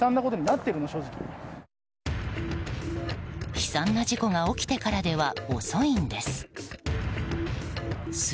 悲惨な事故が起きてからでは遅いんです。